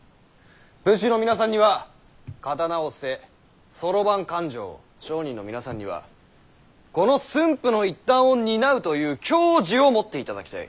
武士の皆さんには刀を捨て算盤勘定を商人の皆さんにはこの駿府の一端を担うという矜持を持っていただきたい。